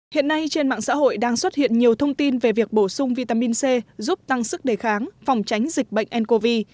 hiện nay trên mạng xã hội đang xuất hiện nhiều thông tin về việc bổ sung vitamin c giúp tăng sức đề kháng phòng tránh dịch bệnh ncov